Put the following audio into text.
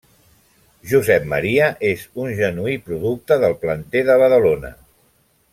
Josep Maria és un genuí producte del planter de Badalona.